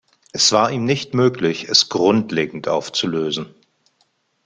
Es war ihm nicht möglich, es grundlegend aufzulösen.